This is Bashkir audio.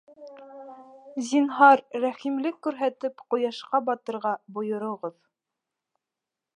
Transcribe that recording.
Зинһар, рәхимлек күрһәтеп, ҡояшҡа батырға бойороғоҙ...